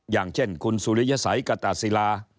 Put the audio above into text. อย่างเช่นคุณสุริยสัยกตาศิลา